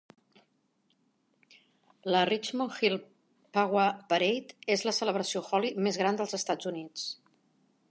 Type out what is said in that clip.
La "Richmond Hill Phagwah Parade" és la celebració holi més gran dels Estats Units.